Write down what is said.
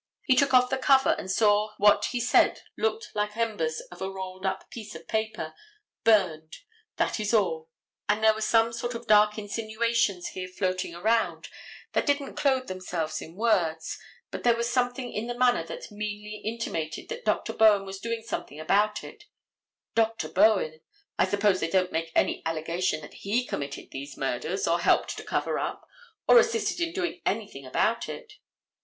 He took off the cover and saw what he said looked like the embers of a rolled up piece of paper, burned, that is all. And there was some sort of dark insinuations here floating around that didn't clothe themselves in words, but there was something in the manner that meanly intimated that Dr. Bowen was doing something about it—Dr. Bowen—I suppose they don't make any allegation that he committed these murders, or helped to cover up, or assisted in doing anything about it.